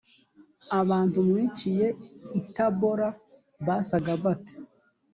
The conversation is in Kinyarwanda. abantu mwiciye i tabora basaga bate